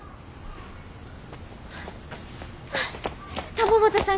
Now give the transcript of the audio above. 玉本さん